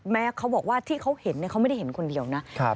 เขาบอกว่าที่เขาเห็นเขาไม่ได้เห็นคนเดียวนะ